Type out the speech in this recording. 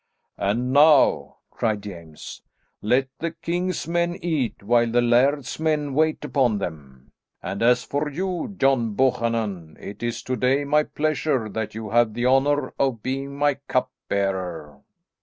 "And now," cried James, "let the king's men eat while the laird's men wait upon them. And as for you, John Buchanan, it is to day my pleasure that you have the honour of being my cup bearer."